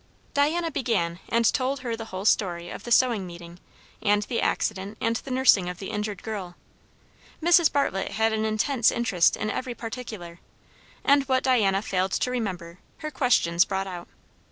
Diana began and told her the whole story of the sewing meeting and the accident and the nursing of the injured girl. Mrs. Bartlett had an intense interest in every particular; and what Diana failed to remember, her questions brought out.